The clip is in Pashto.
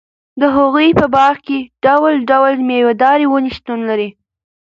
د هغوي په باغ کي ډول٬ډول ميوه داري وني شتون لري